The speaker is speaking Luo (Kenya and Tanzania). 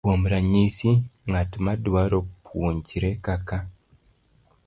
Kuom ranyisi, ng'at madwaro puonjre kaka